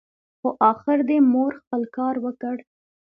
خو اخر دي مور خپل کار وکړ !